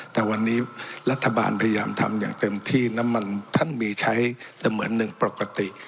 แต่วันนี้รัฐบาลพยายามทำอย่างเต็มที่น้ำมันท่านมีใช้เสมือนหนึ่งปกติ